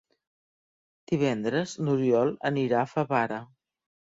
Divendres n'Oriol anirà a Favara.